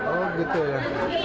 oh gitu ya